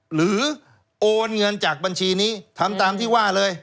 โอนเงินจากบัญชีนี้ทำตามที่ว่าเลย